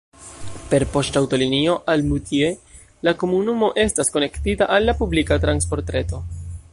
Per poŝtaŭtolinio al Moutier la komunumo estas konektita al la publika transportreto.